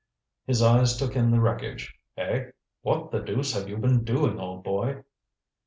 His eyes took in the wreckage. "Eh? What the deuce have you been doing, old boy?"